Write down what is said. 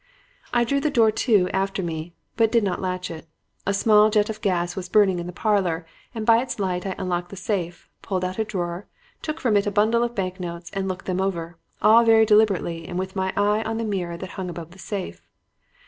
"I drew the door to after me, but did not latch it. A small jet of gas was burning in the parlor and by its light I unlocked the safe, pulled out a drawer, took from it a bundle of banknotes and looked them over; all very deliberately and with my eye on the mirror that hung above the safe.